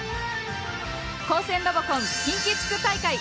高専ロボコン近畿地区大会。